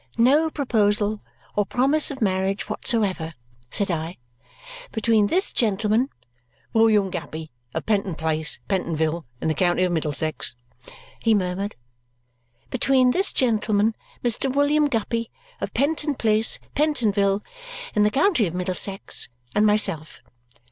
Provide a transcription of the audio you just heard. "No proposal or promise of marriage whatsoever," said I, "between this gentleman " "William Guppy, of Penton Place, Pentonville, in the county of Middlesex," he murmured. "Between this gentleman, Mr. William Guppy, of Penton Place, Pentonville, in the county of Middlesex, and myself."